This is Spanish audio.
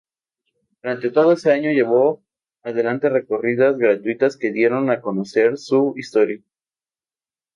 Durante todo ese año llevó adelante recorridas gratuitas que dieron a conocer su historia.